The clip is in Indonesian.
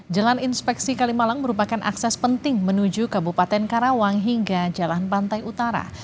jalan inspeksi kalimalang merupakan akses penting menuju kabupaten karawang hingga jalan pantai utara